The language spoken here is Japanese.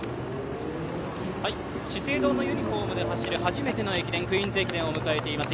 資生堂のユニフォームで走る初めての駅伝、クイーンズ駅伝を迎えています